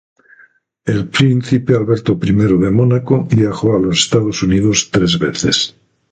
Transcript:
El Príncipe Alberto I de Mónaco viajó a los Estados Unidos tres veces.